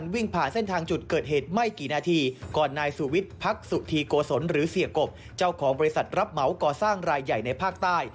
เมื่อกี้นาทีก่อนนายสุวิตพักสุธีโกศลหรือเสียกบเจ้าของบริษัทรับเหมาก่อสร้างรายใหญ่ในภาคใต้